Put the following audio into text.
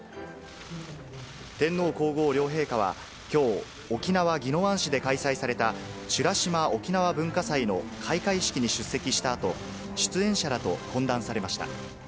天皇皇后両陛下はきょう、沖縄・宜野湾市で開催された美ら島おきなわ文化祭の開会式に出席したあと、出演者らと懇談されました。